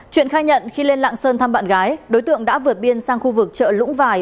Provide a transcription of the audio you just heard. truyện khai nhận khi lên lạng sơn thăm bạn gái đối tượng đã vượt biên sang khu vực chợ lũng vài